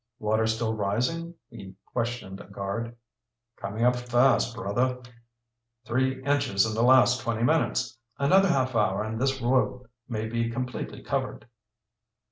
"Water still rising?" he questioned a guard. "Coming up fast, brother. Three inches in the last twenty minutes. Another half hour and this road may be completely covered."